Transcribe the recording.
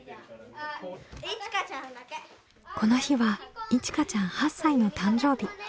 この日はいちかちゃん８歳の誕生日。